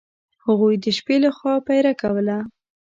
هغوی د شپې له خوا پیره کوله.